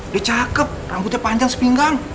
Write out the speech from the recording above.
dia cakep rambutnya panjang sepinggang